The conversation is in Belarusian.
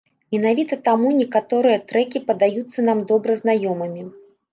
Менавіта таму некаторыя трэкі падаюцца нам добра знаёмымі.